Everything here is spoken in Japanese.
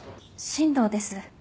新道です。